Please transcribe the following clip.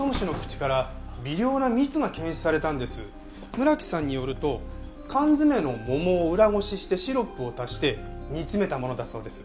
村木さんによると缶詰の桃を裏ごししてシロップを足して煮詰めたものだそうです。